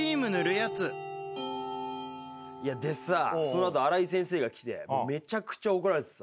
でさその後アライ先生が来てめちゃくちゃ怒られてさ。